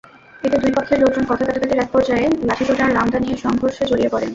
এতে দুই পক্ষের লোকজন কথা-কাটাকাটির একপর্যায়ে লাঠিসোঁটা, রামদা নিয়ে সংঘর্ষ জড়িয়ে পড়েন।